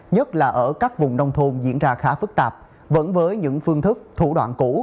nhất là ở các vùng nông thôn diễn ra khá phức tạp vẫn với những phương thức thủ đoạn cũ